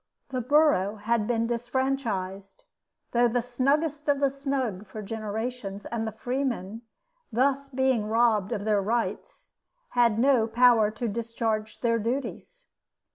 The borough had been disfranchised, though the snuggest of the snug for generations; and the freemen, thus being robbed of their rights, had no power to discharge their duties.